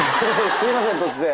すいません突然。